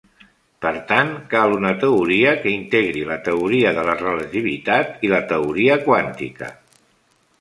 Per tant, cal una teoria que integri la teoria de la relativitat i la teoria quàntica.